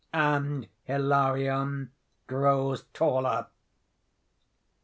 And Hilarion grows taller.